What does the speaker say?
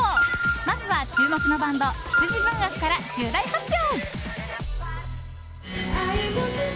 まずは、注目のバンド羊文学から重大発表。